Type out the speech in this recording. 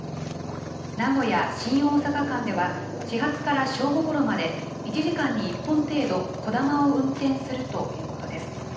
名古屋・新大阪間では、始発から正午ごろまで、１時間に１本程度、こだまを運転するということです。